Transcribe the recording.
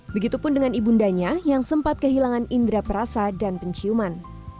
begitupun dengan ibu undanya yang sempat kehilangan indera perasa dan penciuman